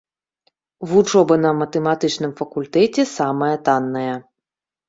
Вучоба на матэматычным факультэце самая танная.